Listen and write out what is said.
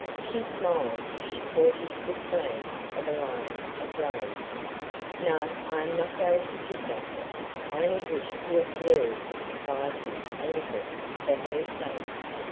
She smiled as she caught his swift glance of alarm at Rose. "No, I am not going to kidnap her; I only wish to observe the proprieties a little for her sake."